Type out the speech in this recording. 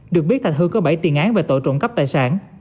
được biết thành hương có bảy tiền án về tội trộm cắp tài sản